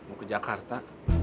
aku ke jakarta